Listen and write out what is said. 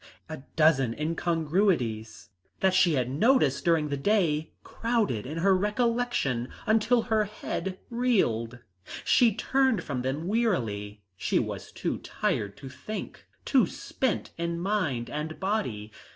A dozen incongruities that she had noticed during the day crowded into her recollection until her head reeled. She turned from them wearily; she was too tired to think, too spent in mind and body.